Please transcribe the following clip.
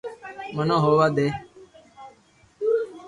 منو ھووا دي